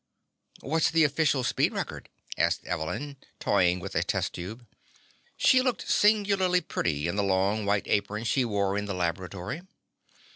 "What's the official speed record?" asked Evelyn, toying with a test tube. She looked singularly pretty in the long white apron she wore in the laboratory.